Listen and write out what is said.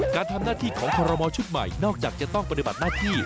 การทำหน้าที่ของคอรมอลชุดใหม่นอกจากจะต้องปฏิบัติหน้าที่